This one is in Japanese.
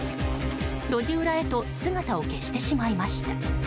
路地裏へと姿を消してしまいました。